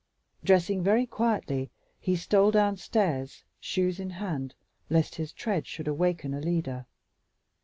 Dressing very quietly, he stole downstairs, shoes in hand, lest his tread should awaken Alida.